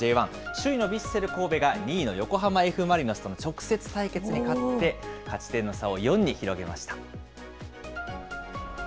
首位のヴィッセル神戸が、２位の横浜Ｆ・マリノスとの直接対決に勝って、勝ち点の差を４に広げました。